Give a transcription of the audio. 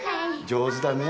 上手だね。